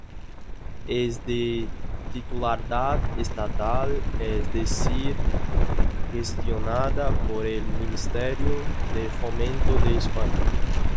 Es de titularidad estatal, es decir, gestionada por el Ministerio de Fomento de España.